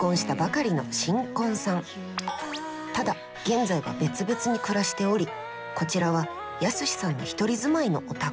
ただ現在は別々に暮らしておりこちらは恭志さんの１人住まいのお宅。